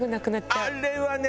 あれはね